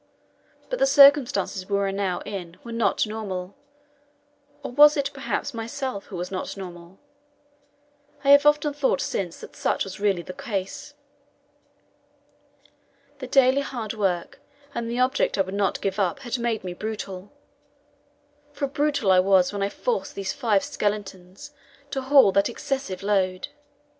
But the circumstances we were now in were not normal or was it, perhaps, myself who was not normal? I have often thought since that such was really the case. The daily hard work and the object I would not give up had made me brutal, for brutal I was when I forced those five skeletons to haul that excessive load.